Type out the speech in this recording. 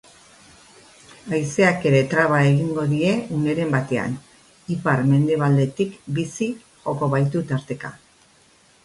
Haizeak ere traba egingo die uneren batean, ipar-mendebaldetik bizi joko baitu tarteka.